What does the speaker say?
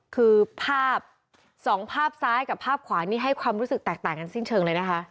คือภาพสองภาพซ้ายกับภาพขวานี่ให้ความรู้สึกแตกต่างกันสิ้นเชิงเลยนะคะ